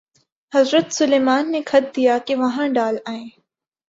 حضرت سلیمان نے خط دیا کہ وہاں ڈال آئے۔